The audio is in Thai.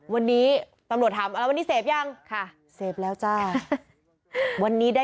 วันนี้ตำรวจถามวันนี้เสพหรือยัง